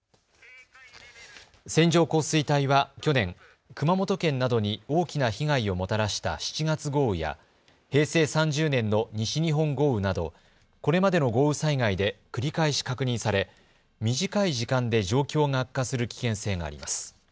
線状降水帯は去年、熊本県などに大きな被害をもたらした７月豪雨や平成３０年の西日本豪雨などこれまでの豪雨災害で繰り返し確認され短い時間で状況が悪化する危険性があります。